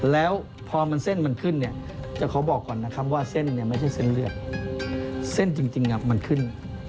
แล้วพอมันเส้นมันขึ้นเนี่ยจะขอบอกก่อนนะครับว่าเส้นเนี่ยไม่ใช่เส้นเลือดเส้นจริงมันขึ้น